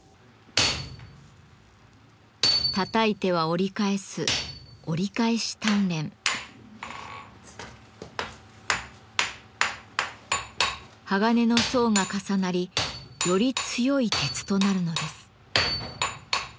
たたいては折り返す鋼の層が重なりより強い鉄となるのです。